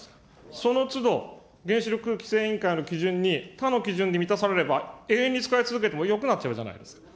そのつど、原子力規制委員会の基準に、他の基準で満たされれば永遠に使い続けてもよくなっちゃうじゃないですか。